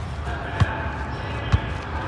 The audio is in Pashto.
او چا راپورې کړل تورونه زما په نشته لمن؟